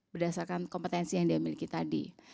berdasarkan kompetensi yang dia miliki tadi